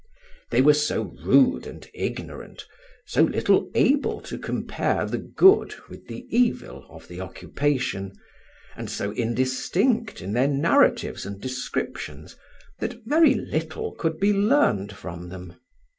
They were so rude and ignorant, so little able to compare the good with the evil of the occupation, and so indistinct in their narratives and descriptions, that very little could be learned from them.